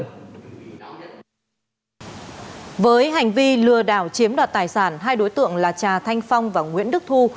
lừa đảo chiếm đoạt tài sản hai đối tượng là trà thanh phong và nguyễn đức thu